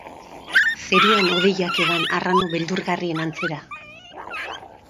Zeruan, hodeiak hegan, arrano beldurgarrien antzera.